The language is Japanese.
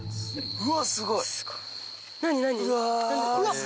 うわすごいこれ。